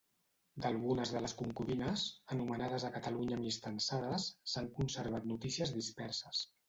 D’algunes de les concubines, anomenades a Catalunya amistançades, s’han conservat notícies disperses.